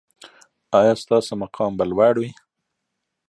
ایا ستاسو مقام به لوړ وي؟